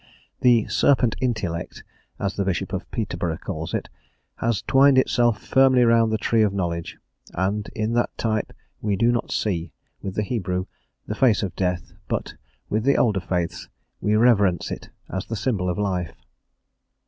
The "serpent intellect" as the Bishop of Peterborough calls it has twined itself firmly round the tree of knowledge, and in that type we do not see, with the Hebrew, the face of death, but, with the older faiths, we reverence it as the symbol of life.